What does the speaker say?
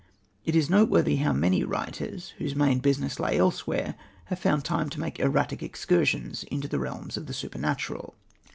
It is noteworthy how many writers, whose main business lay elsewhere, have found time to make erratic excursions into the realms of the supernatural.